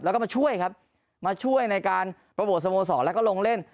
แล้วก็มาช่วยครับมาช่วยในการโปรโมทสโมสรแล้วก็ลงเล่น